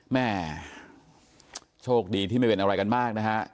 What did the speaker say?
แม่โชคดีที่ไม่เป็นอะไรกันมากนะฮะ